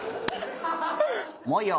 もういいよ！